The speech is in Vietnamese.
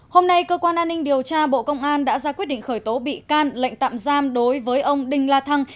hôm nay cơ quan an ninh điều tra bộ công an đã ra quyết định khởi tố bị can lệnh tạm giam đối với ông đinh la thăng